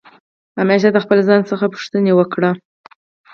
همېشه د خپل ځان څخه پوښتني وکړئ.